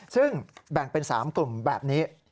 ซึ่งแบ่งเป็น๓กลุ่มแบบนี้